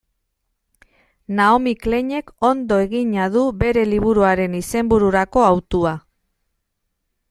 Naomi Kleinek ondo egina du bere liburuaren izenbururako hautua.